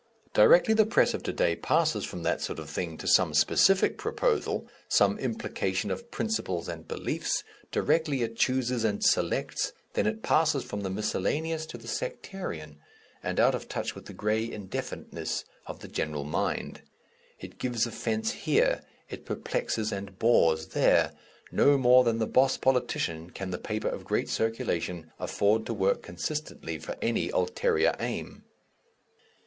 Directly the press of to day passes from that sort of thing to some specific proposal, some implication of principles and beliefs, directly it chooses and selects, then it passes from the miscellaneous to the sectarian, and out of touch with the grey indefiniteness of the general mind. It gives offence here, it perplexes and bores there; no more than the boss politician can the paper of great circulation afford to work consistently for any ulterior aim.